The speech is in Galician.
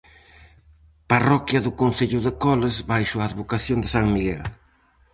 Parroquia do concello de Coles baixo a advocación de san Miguel.